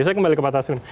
saya kembali ke pak taslim